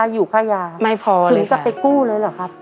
คือก็ไปกู้เลยหรือครับ